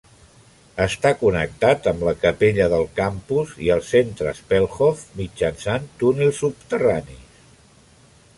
Està connectat amb la capella del campus i el centre Spoelhof mitjançant túnels subterranis.